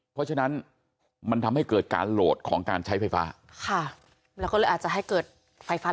เพราะฉะนั้นมันทำให้เกิดการโหลดของการใช้ไฟฟ้า